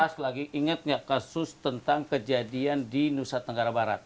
mas lagi ingat nggak kasus tentang kejadian di nusa tenggara barat